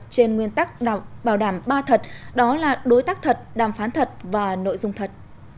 trên nguyên tắc bảo đảm ba thật đó là đối tác thật đàm phán thật và nội dung thật